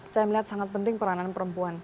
saya melihat sangat penting peranan perempuan